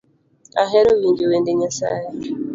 Ahero winjo wende nyasae